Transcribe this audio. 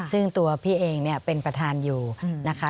ซึ่งตัวพี่เองเนี่ยเป็นประธานอยู่นะคะ